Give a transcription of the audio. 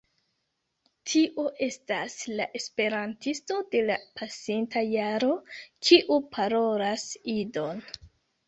Tio estas la Esperantisto de la pasinta jaro, kiu parolas Idon